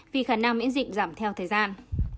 vì khả năng miễn dịch giảm theo thời gian